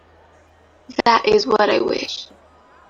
That is what I wish.